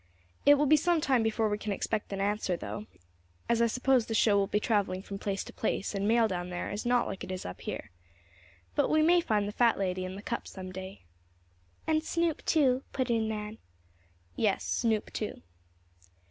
It will be some time before we can expect an answer, though, as I suppose the show will be traveling from place to place and mail down there is not like it is up here. But we may find the fat lady and the cup some day." "And Snoop, too," put in Nan. "Yes, Snoop too."